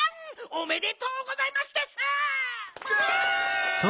おめでとうございますです！わ！